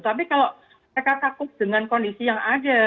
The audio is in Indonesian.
tapi kalau mereka takut dengan kondisi yang ada